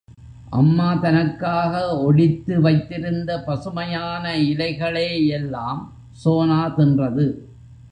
அம்மா தனக்காக ஒடித்து வைத்திருந்த பசுமையான இலைகளேயெல்லாம் சோனா தின்றது.